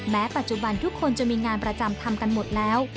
ปัจจุบันทุกคนจะมีงานประจำทำกันหมดแล้ว